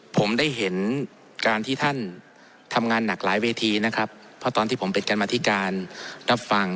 ผมได้เห็นการที่ท่านทำงานหนักหลายเวทีนะครับเพราะตอนที่ผมเป็นกรรมธิการรับฟัง